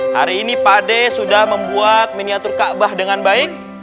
hari ini pade sudah membuat miniatur ka'bah dengan baik